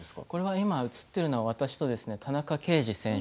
今、映っているのは私と田中刑事選手。